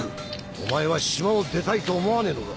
お前は島を出たいと思わねえのか？